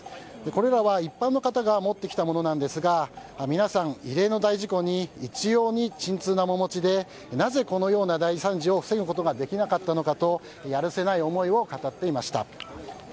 これらは一般の方が持ってきたものなんですが皆さん、異例の大事故に一様に沈痛な面持ちでなぜこのような大惨事を防ぐことができなかったのかとやるせない思いを語っていました。